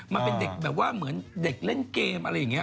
มันเป็นเด็กแบบว่าเหมือนเด็กเล่นเกมอะไรอย่างนี้